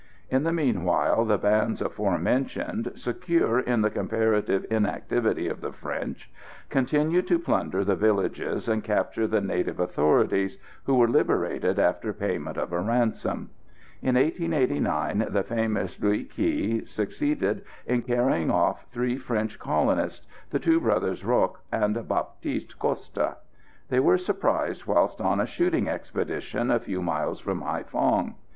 In the meanwhile, the bands aforementioned, secure in the comparative inactivity of the French, continued to plunder the villages and capture the native authorities, who were liberated after payment of a ransom. In 1889 the famous Luu Ky succeeded in carrying off three French colonists, the two brothers Rocque and Baptiste Costa. They were surprised whilst on a shooting expedition a few miles from Haïphong.